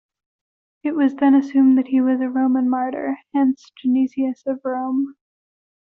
It was then assumed that he was a Roman martyr: hence "Genesius of Rome".